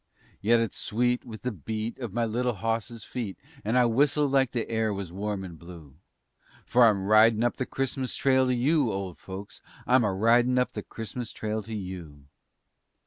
Yet it's sweet with the beat of my little hawse's feet And I whistle like the air was warm and blue, For I'm ridin' up the Christmas trail to you, Old folks, I'm a ridin' up the Christmas trail to you.